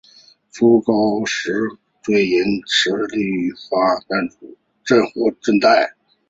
朱高炽遣人驰谕立即发廪赈贷。